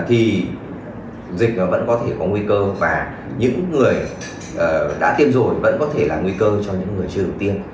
thì dịch nó vẫn có thể có nguy cơ và những người đã tiêm rồi vẫn có thể là nguy cơ cho những người chưa được tiêm